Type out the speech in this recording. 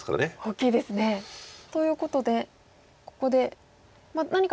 大きいですね。ということでここで何かツナがれば。